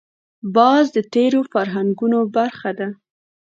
باز د تېرو فرهنګونو برخه ده